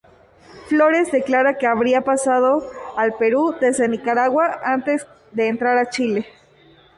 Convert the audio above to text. Flores declara que habría pasado al Perú desde Nicaragua antes de entrar a Chile.